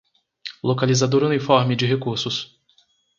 Localizador uniforme de recursos